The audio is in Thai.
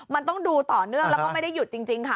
มันต้องดูต่อเนื่องแล้วก็ไม่ได้หยุดจริงค่ะ